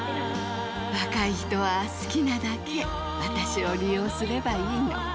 若い人は好きなだけ私を利用すればいいの。